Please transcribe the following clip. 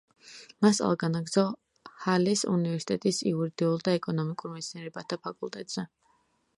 მან სწავლა განაგრძო ჰალეს უნივერსიტეტის იურიდიულ და ეკონომიურ მეცნიერებათა ფაკულტეტზე.